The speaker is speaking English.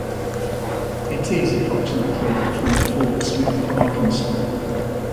It is approximately from Fort Smith, Arkansas.